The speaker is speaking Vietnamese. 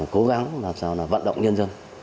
cố gắng làm sao là vận động nhân dân